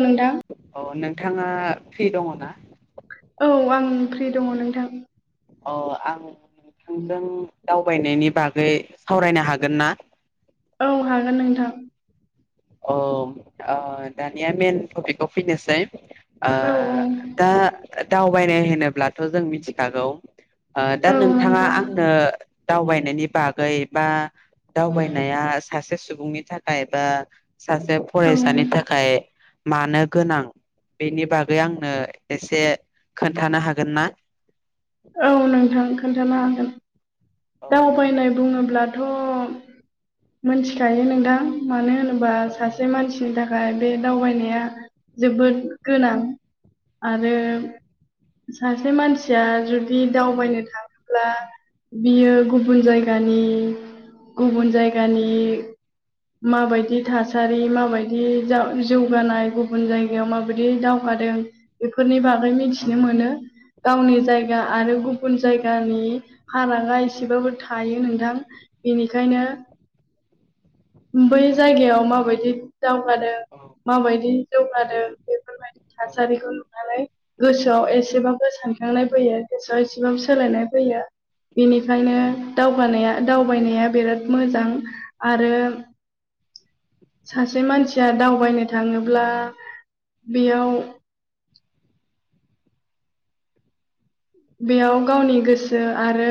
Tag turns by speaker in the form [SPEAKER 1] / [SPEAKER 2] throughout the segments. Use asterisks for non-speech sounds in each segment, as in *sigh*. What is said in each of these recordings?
[SPEAKER 1] नोंथां
[SPEAKER 2] अ नोंथाङा फ्रि दङ ना?
[SPEAKER 1] औ आं फ्रि दङ नोंथां
[SPEAKER 2] अ आं नोंथांजों दावबायनायनि बागै सावरायनो हागोन ना
[SPEAKER 1] औ हागोन नोंथां
[SPEAKER 2] औ दानिया ओ मेन टपिकआव फैनोसै ओ
[SPEAKER 1] औ
[SPEAKER 2] दा दावबायनाय होनोब्लाथ' जों मिथिखागौ ओ दा
[SPEAKER 1] औ
[SPEAKER 2] नोंथाङा
[SPEAKER 1] नोंथां
[SPEAKER 2] आंनो दावबायनायनि बागै बा दावबायनाया सासे सुबुंनि थाखाय बा सासे
[SPEAKER 1] औ
[SPEAKER 2] फरायसानि थाखाय मानो गोनां बेनि बागै आंनो एसे खोन्थानो हागोन ना
[SPEAKER 1] औ नोंथां खोन्थानो हागोन।
[SPEAKER 2] औ
[SPEAKER 1] दावबायनाय बुङोब्ला थ' मोनथिखायै नोंथां मानो होनोबा
[SPEAKER 2] औ
[SPEAKER 1] सासे मान सिनि थाखाय बे दावबायनाया जोबोद गोनां। आरो सासे मानसिया जुदि दावबायनो थाङोब्ला बियो गुबुन जायगानि गुबुन जायगानि माबायदि थासारि माबायदि जौगानाय गुबुन जायगायाव माबायदि दाव गादों बेफोरनि बागै
[SPEAKER 2] औ
[SPEAKER 1] मिथिनो मोनो। गावनि जाय गा आरो
[SPEAKER 2] औ
[SPEAKER 1] गुबुन जायगानि फारागा एसेबाबो थायो नोंथां बेनिखायनो
[SPEAKER 2] *inaudible*
[SPEAKER 1] बै जायगायाव माबायदि दावगादों
[SPEAKER 2] औ
[SPEAKER 1] माबायदि जौगादों बेफोरबायदि थासारिखौ नुनानै गोसोआव एसेबाबो सानखांनाय फैयो गोसोआव एसेबाबो सोलायनाय फैयो । बेनिखायनो दावगानाया दावबायनाया बिराद मोजां आरो सासे मानसिया दावबायनो थाङोब्ला बेयाव
[SPEAKER 2] *inaudible*
[SPEAKER 1] बेयाव गावनि गोसो आरो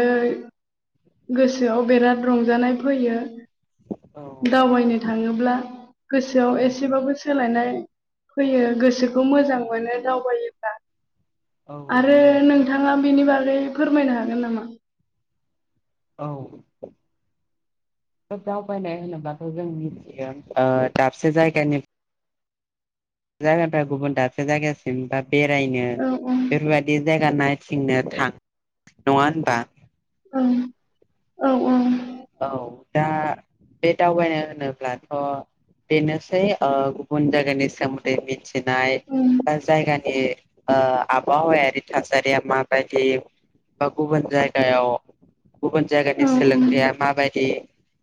[SPEAKER 1] गोसोआव बिराद रंजानाय फैयो।
[SPEAKER 2] औ
[SPEAKER 1] दावबायनो थाङोब्ला गोसोआव
[SPEAKER 2] औ
[SPEAKER 1] एसेबाबो सोलायनाय फैयो गोसोखौ मोजां मोनो दावबायोब्ला।
[SPEAKER 2] औ
[SPEAKER 1] आरो
[SPEAKER 2] नंगौ
[SPEAKER 1] नोंथाङा बेनि बागै फोरमायनो हागोन नामा?
[SPEAKER 2] औ! दावबायनाय होनोबाथ' जों मिथियो दाबसे जायगानि- जायगाफ्रा गुबुन दाबसे जायगासिम बा बेरायनो
[SPEAKER 1] औ
[SPEAKER 2] बेफोरबायदि जायगा नायथिं नो थां नङा होनबा?
[SPEAKER 1] औ! औ! औ!
[SPEAKER 2] औ दा बे दावबायनाय होनोब्ला- बेनोसै गुबुन जायगानि सोमोन्दै मिथिनाय बा जायगानि- बे आबहावाया थासारिया मा बादि- बा गुबुन जायगायाव- गुबुन जायगानि
[SPEAKER 1] औ
[SPEAKER 2] सोलोंथाया माबायदि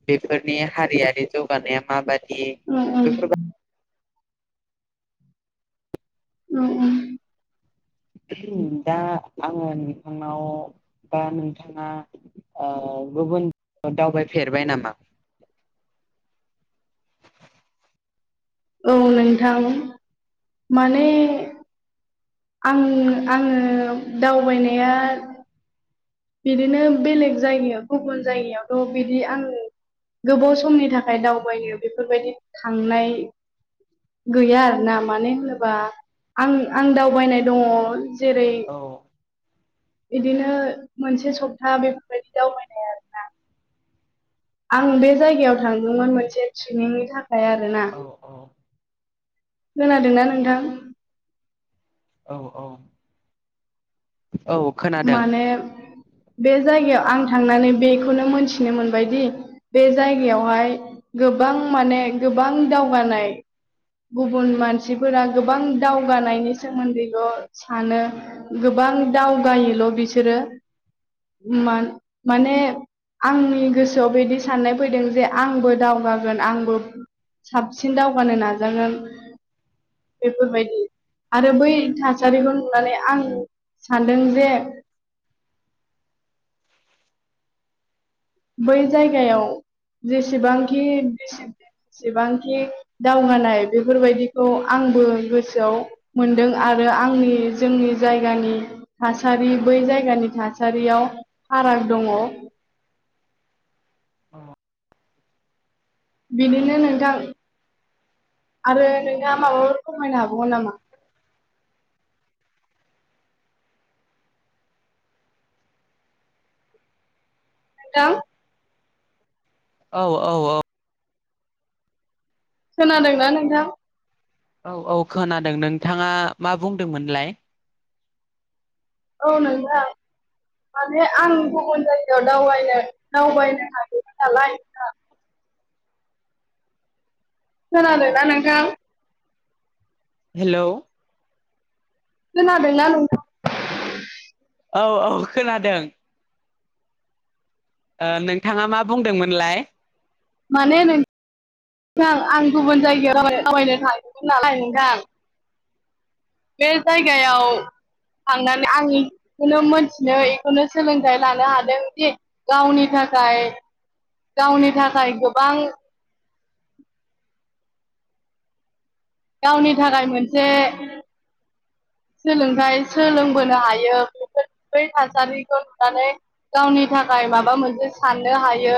[SPEAKER 2] बेफोरनि हारियारि जौगानाया माबायदि- ए
[SPEAKER 1] औ
[SPEAKER 2] बेफोरबादि-
[SPEAKER 1] उम - उम
[SPEAKER 2] दा आङो नोंथांनाव बा नोंथाङा- गुबुनाव दावबायफेरबाय नामा?
[SPEAKER 1] औ नोंथां माने- आं आङो दावबायनाया- बिदिनो बेलेग जायगायावथ' गुबुन जायगायावथ' बिदि आङो- गोबाव समनि थाखाय दावबायो बेफोरबायदि थांनाय- गैया आरोना माने होनोबा आं आं दावबायनाय दङ- जेरै-
[SPEAKER 2] औ
[SPEAKER 1] बिदिनो मोनसे सप्ता बे,, आं बे जायगायाव थांगदोंमोन मोनसे ट्रेनिंनि थाखाय आरोना-
[SPEAKER 2] औ
[SPEAKER 1] खोनादोंनाा नोंथां?
[SPEAKER 2] औ! औ! औ खोनादों!
[SPEAKER 1] माने बे जायगायाव आं थांनानै बेखौनो मोनथिनो मोनबायदि बे जायगायावहाय- गोबां माने गोबां दावगानाय गुबुन मानसिफोरा- गोबां दावगानायनि सोमोन्दैल' सानो गोबां दावगा- गायोल' बिसोरो माने- आंनि गोसोआव बिदि साननाय फैदों जे आंबो दावगागोन आंबो- साबसिन दावगानो नाजागोन। बेफोरबायदि ।आरो बै थासारिखौ नुनानै आं सानो- नों जे- बै जायगायाव जेसेबांखि- जसेबांखि दावगानाय बेफोरबायदिखौ आंबो गोसोआव मोनदों आरो- आंनि जोंनि जायगानि थासारि बै जायगानि थासारियाव फाराग- दङ। बिनिनो नोंथां- आरो नोंहा माबाफोर फोरमायनो हाबावगोन नामा?
[SPEAKER 2] *inaudible*
[SPEAKER 1] नोंथां?
[SPEAKER 2] औ! औ! औ!
[SPEAKER 1] खोनादोंना नोंथां?
[SPEAKER 2] औ! औ! खोनादों नोंथाङा मा बुंदोंमोनलाय?
[SPEAKER 1] औ नोंथां। माने आं गुबुन जायगायाव दावबायनो, दावबायनो सानदोंमोन नालाय ना- खोनादोंना नोंथां?
[SPEAKER 2] हेल'!
[SPEAKER 1] खोनादोंना नोंथा?
[SPEAKER 2] औ औ खोनादों। ओ नोंथाङा मा बुंदोंमोनलाय?
[SPEAKER 1] माने नों थां आं गुबुन जायगायाव *inaudible* थाबायनो थायोमोन नालाय नोंथां बे जायगायाव थांनानै आंनि *inaudible* खौनो मोनथिनो इखौनो सोलोंथाइ लानो हादों दि गावनि थाखाय। गावनि थाखाय गोबां गावनि थाखाय मोनसे। सोलोंथायाइ सोलोंबोनो हायो बेफोर बै थासारिखौ नुनानै गावनि थाखाय माबा मोनसे साननो हायो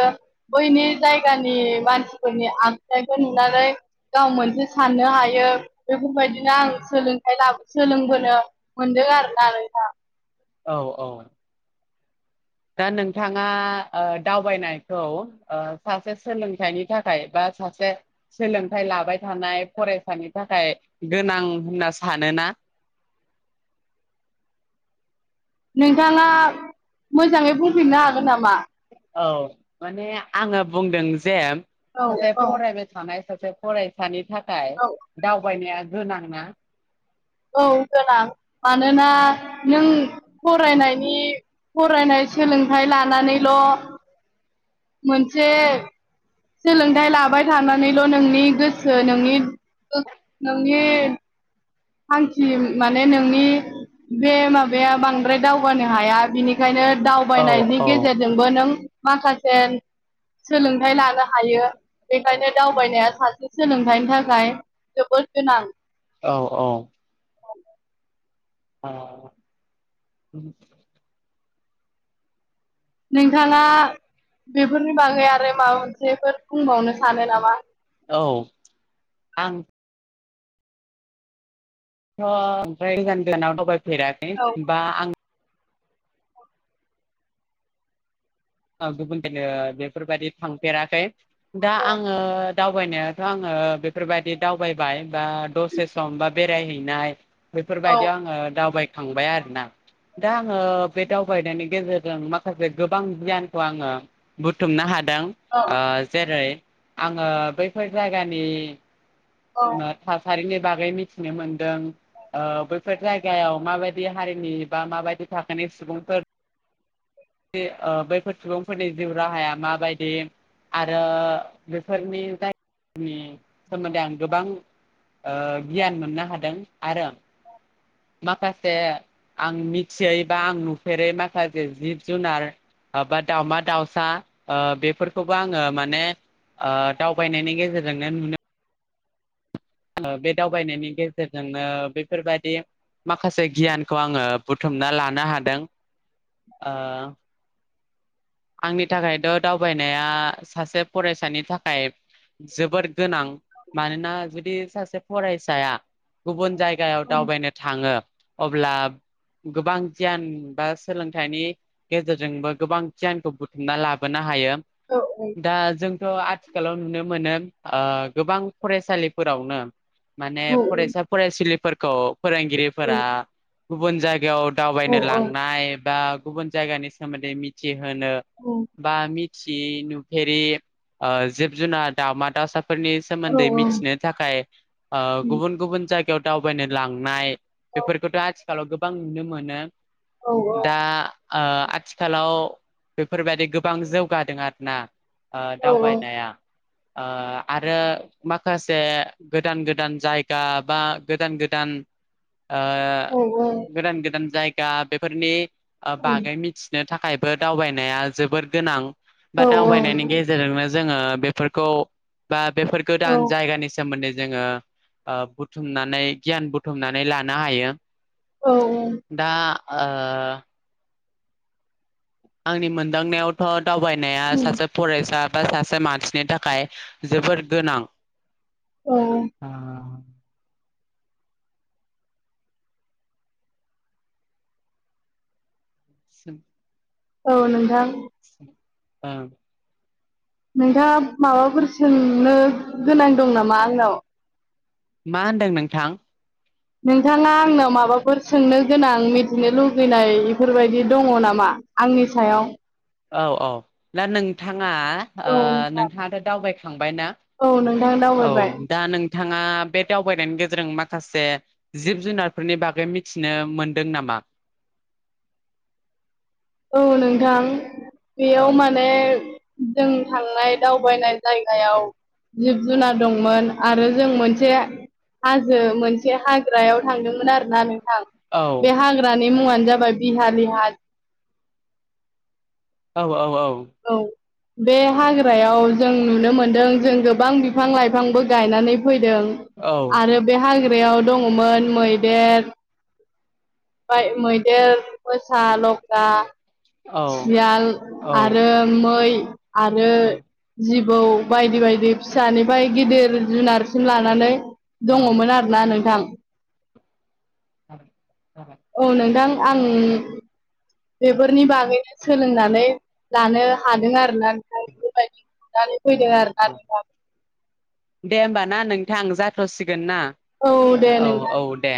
[SPEAKER 1] बै नि जायगानि मानसिफोरनि आखाइखौ नुनानै गाव मोनसे साननो हायो बेफोरबायदिनो आं सोलोंथाइ लाबोन सोलोंबोनो मोनदों आरोना नोंथां
[SPEAKER 2] औ औ। दा नोंथाङा ओ दावबायनायखौ ओ सासे सोलोंथाइनि थाखाय बा सासे सोलोंथाइ लाबाय थानाय फरायसानि थाखाय गोनां होनना सानोना। *unintelligible*
[SPEAKER 1] नोंथाङा मोजाङै बुंफिननो हागोन नामा?
[SPEAKER 2] औ माने आङो बुंदों जे
[SPEAKER 1] औ
[SPEAKER 2] सासे
[SPEAKER 1] औ
[SPEAKER 2] फरायबाय थानाय सासे फरायसानि थाखाय
[SPEAKER 1] औ
[SPEAKER 2] दावबायनाया गोनां ना?
[SPEAKER 1] औ गोनां मानोना नों फरायनायनि फरायनाय सोलोंथाइ लानानैल' मोनसे सोलोंथाइ लाबाय थानानैल' नोंनि गोसो नोंनि *unintelligible* नोंनि थांखि माने नोंनि बे माब बे बांद्राय दावगानो हाया बिनिखायनो
[SPEAKER 2] औ
[SPEAKER 1] दावबायनायनि गेजेरजोंबो नों माखासे सोलोंथाइ लानो हायो बेखायनो दावबायनाया सासे सोलोंथाइनि थाखाय जोबोद गोनां
[SPEAKER 2] औ औ। औ
[SPEAKER 1] नोंथाङा बेफोरनि बागै आ *unintelligible* माबा मोनसेफोर बुंबावनो सानो नामा
[SPEAKER 2] औ आंथ' थ' ओमफ्राय गोजान- गोजानाव दावबायफेराखै
[SPEAKER 1] औ
[SPEAKER 2] बा आं ओ गुबुनफ्रायनो बेफोरबायाददि थांफेराखै। दा आङो दावबायनायाथ' आङो बेफोरबादि दावबायबाय बा दसे सम बा बेरायहैनाय
[SPEAKER 1] औ
[SPEAKER 2] बेफोरबायदियाव आङो दावबाय थांबाय आरोना दा आङो बे दावबायनायनि गेजेरजों माखासे गोबां गियान खौ आङो बुथुमनो हादों
[SPEAKER 1] औ
[SPEAKER 2] ओ जेरै आङो बैफोर जायगानि
[SPEAKER 1] औ
[SPEAKER 2] ओ थासारिनि बागै मिथिनो मोन्दों ओ बैफोर जायगायाव माबायदि हारिनि बा माबायदि थाखोनि सुबुंफोर बे ओ बैफोर सुबुंफोरनि जिउ राहाया माबायदि आरो बेफोरनि जाय नि सोमोन्दै आं गोबां ओ गियान मोननो हादों आरो माखासे आं मिथियै बा आं नुफेरै माखासे जिब जुनार आ बा दाउमा दाउसा ओ बेफोरखौबो आङो माने ओ दावबायनायनि गेजेरजोंनो नुनो *unintelligible* बे दावबायनायनि गेजेरजोंनो बेफोरबादि माखासे गियानखौ आङो बुथुमना लानो हादों। ओ आंनि थाखायथ' दावबायनाया सासे फरायसानि थाखाय जोबोद गोनां मानोना जुदि सासे फरायसाया गुबुन जायगायाव
[SPEAKER 1] औ
[SPEAKER 2] दावबायनो थाङो अब्ला गोबां गियान बा सोलोंथाइनि गेजेरजोंबो गोबां गियानखौ बुथुमना लाबोनो हायो। दा जोंथ' आथिखालाव नुनो मोनो ओ गोबां फरेस्ट सालिफोरावनो माने
[SPEAKER 1] औ
[SPEAKER 2] फरायसा फरायसुलिफोरखौ फोरोंगिरिफोरा गुबुन जायगायाव
[SPEAKER 1] औ
[SPEAKER 2] दावबायनो
[SPEAKER 1] औ
[SPEAKER 2] लांनाय बा गुबुन जायगानि सोमोन्दै मिथ होनो
[SPEAKER 1] औ
[SPEAKER 2] बा मिथियि नुफेरि ओ जिब जुनार दाउमा दाउसा फोरनि
[SPEAKER 1] औ
[SPEAKER 2] सोमोन्दै मिथिनो थाखाय ओ
[SPEAKER 1] उम
[SPEAKER 2] गुबुन गुबन जाय गायाव दावबायनो लांनाय
[SPEAKER 1] औ
[SPEAKER 2] बेफोरखौथ' आथिखालाव गोबां नुनो मोनो।
[SPEAKER 1] औ
[SPEAKER 2] दा ओ आथिखालाव बेफोरबायदि गोबां जौगादों आरो ना ओ
[SPEAKER 1] औ
[SPEAKER 2] दावबायनाया। ओ आरो माखासे गोदान गोदान जायगा बा गोदान गोदान *inaudible* ओ
[SPEAKER 1] औ उम औ
[SPEAKER 2] गोदान गोदान जायगा बेफोरनि ओ बागै मिथिनो थाखाय बो दावबायनाया जोबोद गोनां बा
[SPEAKER 1] औ
[SPEAKER 2] दावबायनायनि गेजेरजोंनो जोङो बेफोरखौ बा बेफोर
[SPEAKER 1] औ
[SPEAKER 2] गोदान जायगानि सोमोन्दै जोङो ओ बुथुमनानै गियान बुथुमनानै लानो हायो। दा ओ आंनि मोनदांनायावथ' दावबायनाया
[SPEAKER 1] उम
[SPEAKER 2] सासे फरायसा बा सासे मानसिनि थाखाय जबोद गोनां।
[SPEAKER 1] औ
[SPEAKER 2] *inaudible*
[SPEAKER 1] औ नोंथां
[SPEAKER 2] ओं।
[SPEAKER 1] नोंथाङा माबाफोर सोंनो गोनां दं नामा आंनाव?
[SPEAKER 2] मा होनदों नोंथां?
[SPEAKER 1] नोंथाङा आंनाव माबाफोर सोंनो गोनां मिथिनो लुबैयो लगैनाय बेफोरबायदि दङ नामा आंनि सायाव?
[SPEAKER 2] औ औ दा नोंथाङा ओ
[SPEAKER 1] औ नोंथां
[SPEAKER 2] नोंथाङाथ' दावबायख- खांबायना?
[SPEAKER 1] औ नोंथां
[SPEAKER 2] औ
[SPEAKER 1] दावबायबाय
[SPEAKER 2] दा नों बिथाङा बे दावबायनायनि गेजेरजों माखासे जिब जुनारफोरनि बागै मिथिनो मोनदों नामा *inaudible*
[SPEAKER 1] औ नोंथां
[SPEAKER 2] औ
[SPEAKER 1] बेयाव माने जों थांनाय दावबायनाय जायगायाव जिब जुनार दंमोन आरो जों मोनसे हाजो मोनसे मोनसे हाग्रायाव थांदोंमोन आरोना नोंथां
[SPEAKER 2] औ
[SPEAKER 1] बे हाग्रानि मुङानो जाबाय बिहा लिहा हा-
[SPEAKER 2] औ औ औ
[SPEAKER 1] औ। बे हाग्रायाव जों नुनो मोनदों जों गोबां बिफां लाइ- लाइफांबो गायनानै फैदों
[SPEAKER 2] औ
[SPEAKER 1] आरो बे हाग्रायाव- बेयाव दङमोन मैदेर ओफ्राय मैदेर मोसा लख्रा।
[SPEAKER 2] औ
[SPEAKER 1] सियाल
[SPEAKER 2] औ
[SPEAKER 1] आरो मै। आरो जिबौ बायदि बायदि फिसानिफ्राय गिदिर जुनार सिम लानानै
[SPEAKER 2] औ
[SPEAKER 1] दङमोन आरोना नोंथां। औ
[SPEAKER 2] *inaudible*
[SPEAKER 1] नोंथां आं बेफोरनि बाग सोलोंनानै लानो हादों आरोना फैदों आरो
[SPEAKER 2] दे होमबा ना नोंथां जाथ'सिगोन ना?
[SPEAKER 1] औ दे
[SPEAKER 2] औ
[SPEAKER 1] नोंथां।
[SPEAKER 2] औ दे